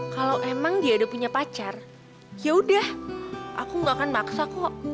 kalau emang dia udah punya pacar yaudah aku gak akan maksa kok